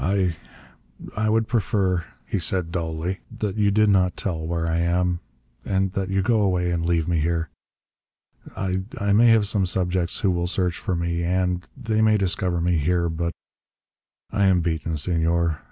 "I I would prefer," he said dully, "that you did not tell where I am, and that you go away and leave me here. I I may have some subjects who will search for me, and they may discover me here.... But I am beaten, Senor.